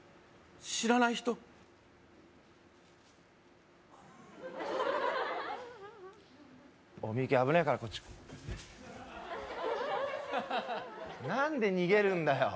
知らない人おいミユキ危ねえからこっち何で逃げるんだよ